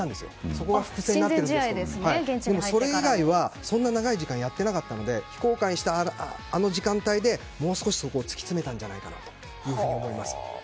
そこが伏線になってるんですがそれ以外そんな長い時間やっていなかったので非公開にした時間でもう少しそこを突き詰めたんじゃないかなと思います。